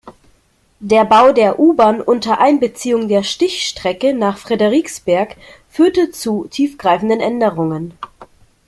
Der Bau der U-Bahn unter Einbeziehung der Stichstrecke nach Frederiksberg führte zu tiefgreifenden Änderungen.